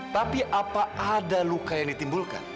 tapi apa ada luka yang ditimbulkan